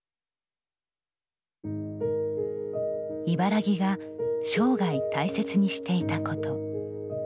茨木が生涯大切にしていたこと。